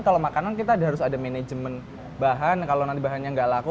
kalau makanan kita harus ada manajemen bahan kalau nanti bahannya nggak laku